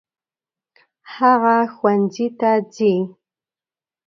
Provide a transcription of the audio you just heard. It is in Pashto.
هغه ښوونځي ته ځي.